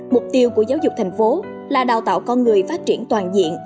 mục tiêu của giáo dục thành phố là đào tạo con người phát triển toàn diện